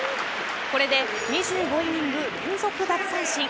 これで２５イニング連続奪三振。